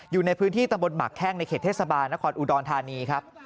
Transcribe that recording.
อยู่ในพื้นที่ตำบลหมักแข้งในเขตเทศบาลนครอุดรธานีครับ